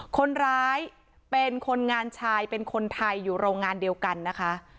คนร้ายเป็นคนงานชายเป็นคนไทยอยู่โรงงานเดียวกันนะคะ